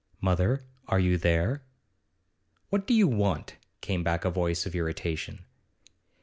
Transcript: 'Mother, are you there?' 'What do you want?' came back in a voice of irritation.